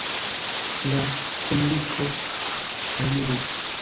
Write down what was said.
La stolniko eliris.